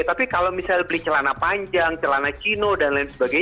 tapi kalau misalnya beli celana panjang celana cino dan lain sebagainya